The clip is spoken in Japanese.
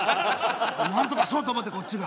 なんとかしようと思ってこっちが。